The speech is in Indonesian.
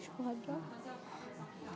saya tak berpikirkan ya allah